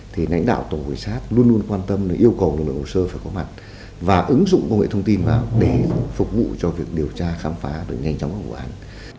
thì lãnh đạo tổng khởi sát luôn luôn quan tâm yêu cầu lực lượng hồ sơ phải có mặt và ứng dụng công nghệ thông tin vào để phục vụ cho việc điều tra khám phá được nhanh chóng các vụ án